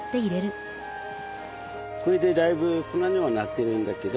これでだいぶ粉にはなってるんだけど。